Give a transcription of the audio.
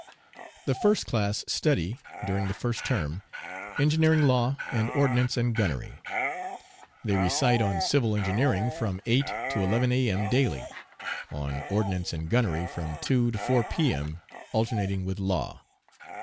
The first class study, during the first term, engineering law, and ordnance and gunnery. They recite on civil engineering from 8 to 11 A.M. daily, on ordnance and gunnery from 2 to 4 P.M., alternating with law.